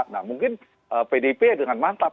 nah mungkin pdip dengan mantap